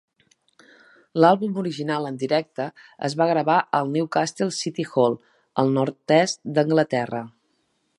L'àlbum original en directe es va gravar al Newcastle City Hall, al nord-est d'Anglaterra.